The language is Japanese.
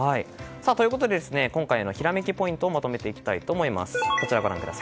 今回のひらめきポイントをまとめていきたいと思います。